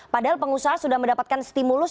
padahal pengusaha sudah mendapatkan stimulus